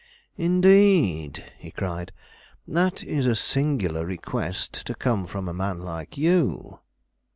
"Indeed!" he cried; "that is a singular request to come from a man like you."